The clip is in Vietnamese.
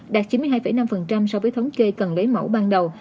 đạt chín mươi hai năm so với thống kê cần lấy mẫu ban đầu